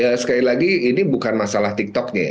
ya sekali lagi ini bukan masalah tiktoknya ya